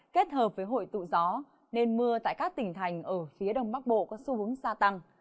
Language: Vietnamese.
kết hợp với hội tụ gió nên mưa tại các tỉnh thành ở phía đông bắc bộ có xu hướng gia tăng